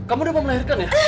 kamu udah mau melahirkan ya